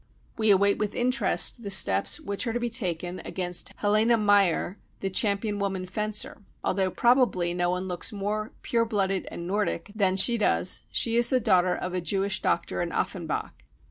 We await with interest the steps which are to be taken against Helene Mayer, the champion woman fencer. Although probably no one looks more " pure blooded " and Nordic than she does, she is the daughter of a Jewish doctor in Offenbach.